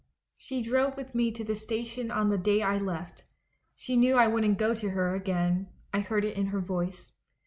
She drove with me to the station on the day I left. She knew I wouldn't go to her again — I heard it in her voice.